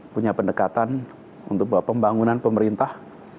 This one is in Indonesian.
punya pendekatan untuk pembangunan pemerintah